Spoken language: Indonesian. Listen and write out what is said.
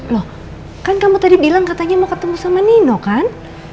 loh kan kamu tadi bilang katanya mau ketemu sama nino kan